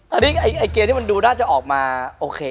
อันนี้เกมที่มันดูน่าจะออกมาโอเค